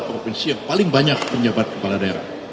provinsi yang paling banyak penjabat kepala daerah